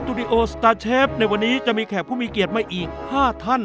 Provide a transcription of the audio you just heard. ตูดิโอสตาร์เชฟในวันนี้จะมีแขกผู้มีเกียรติมาอีก๕ท่าน